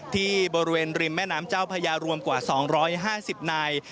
ที่บริเวณริมแม่น้ำเจ้าพญารวมกว่า๒๕๐นาย